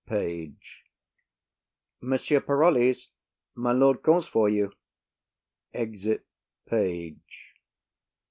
PAGE. Monsieur Parolles, my lord calls for you. [_Exit Page.